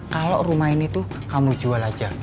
kalau rumah ini tuh kamu jual aja